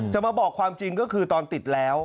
มาบอกความจริงก็คือตอนติดแล้ว